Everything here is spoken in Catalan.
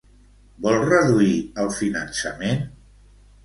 Vol reduir el finançament?